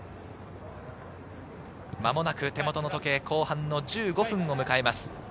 間もなく手元の時計、後半の１５分を迎えます。